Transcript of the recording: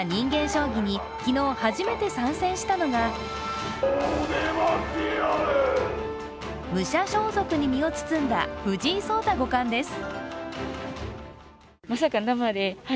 将棋に昨日初めて参戦したのが武者装束に身を包んだ藤井聡太五冠です。